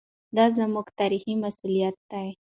دا زموږ تاریخي مسوولیت دی.